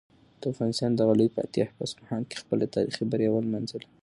د افغانستان دغه لوی فاتح په اصفهان کې خپله تاریخي بریا ولمانځله.